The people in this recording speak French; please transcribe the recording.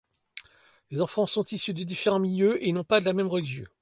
Les enfants sont issus de différents milieux et n’ont pas la même religion.